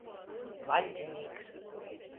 Vaļdinīks.